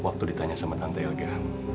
waktu ditanya sama tante elga